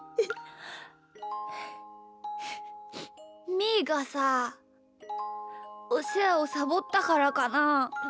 みーがさおせわをサボったからかな？